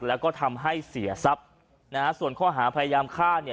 แล้วก็ทำให้เสียทรัพย์นะฮะส่วนข้อหาพยายามฆ่าเนี่ย